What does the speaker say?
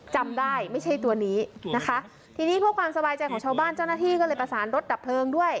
จำได้ไม่ใช่ตัวนี้นะคะทีนี้เพื่อความสบายใจของชาวบ้านเจ้าหน้าที่ก็เลยประสานรถดับเพลิงด้วย